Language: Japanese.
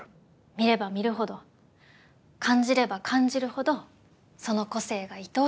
見れば見るほど感じれば感じるほどその個性が愛おしくなる。